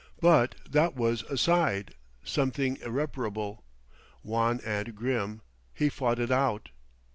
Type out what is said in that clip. But that was aside, something irreparable. Wan and grim, he fought it out.